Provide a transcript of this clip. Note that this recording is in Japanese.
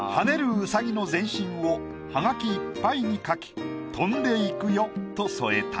うさぎの全身をハガキいっぱいに描き「跳んでいくよ」と添えた。